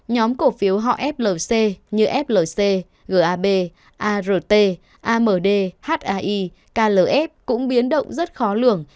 nhóm cổ phiếu họ flc như flc gab art amd hai klf cũng biến động rất khó lường